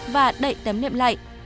và đậy tấm nệm lại